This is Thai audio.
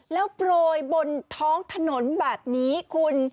แล้วโปรยบนท้องถนนแบบนี้คุณ